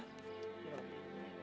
di saling dulu ya